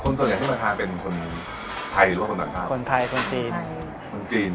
ส่วนใหญ่ที่มาทานเป็นคนไทยหรือว่าคนต่างชาติคนไทยคนจีนคนจีน